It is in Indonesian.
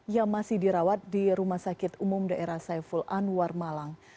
yang masih dirawat di rumah sakit umum daerah saiful anwar malang